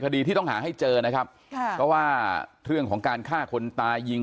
คดีที่ต้องหาให้เจอนะครับค่ะเพราะว่าเรื่องของการฆ่าคนตายยิง